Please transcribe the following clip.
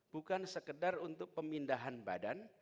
bukan sekedar untuk pemindahan badan